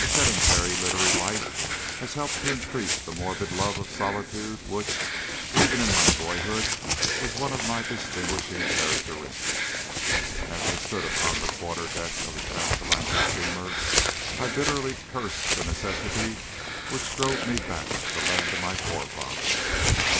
A sedentary literary life has helped to increase the morbid love of solitude which, even in my boyhood, was one of my distinguishing characteristics. As I stood upon the quarter deck of the Transatlantic steamer, I bitterly cursed the necessity which drove me back to the land of my forefathers.